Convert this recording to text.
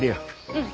うん。